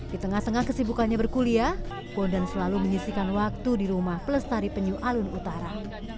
di tengah tengah kesibukannya berkuliah bondan selalu menyisikan waktu di rumah pelestari penyu alun utara